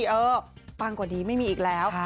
เออปังกว่าดีไม่มีอีกแล้ว